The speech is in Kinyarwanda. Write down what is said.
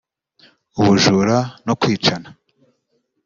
ubujura no kwicana